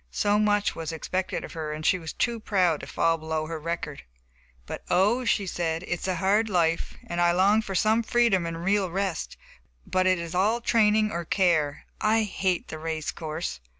So much was expected of her, and she was too proud to fall below her record. "But, oh," she said, "it is a hard life. I long for some freedom and real rest, but it is all training or care. I hate the race course!"